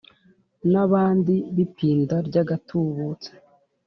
N’abandi b’ipinda ry’agatubutse